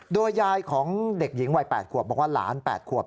โดยยายของเด็กหญิงวัย๘ขวบบอกว่าหลาน๘ขวบ